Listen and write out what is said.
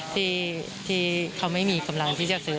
ที่เขาไม่มีกำลังที่จะซื้อ